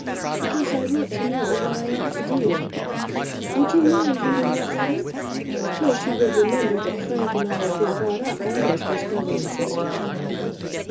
"Because I want to know what I ought to do. Would you mind reading that letter? Of course you will remember that Frank and I have been brought up almost as brother and sister."